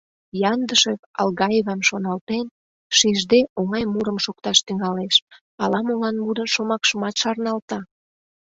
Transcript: Яндышев, Алгаевам шоналтен, шижде, оҥай мурым шокташ тӱҥалеш, ала-молан мурын шомакшымат шарналта: